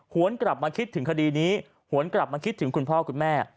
วนกลับมาคิดถึงคดีนี้หวนกลับมาคิดถึงคุณพ่อคุณแม่